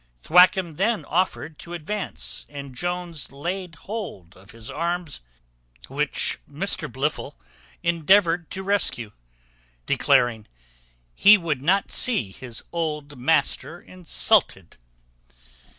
Thwackum then offered to advance, and Jones laid hold of his arms; which Mr Blifil endeavoured to rescue, declaring, "he would not see his old master insulted."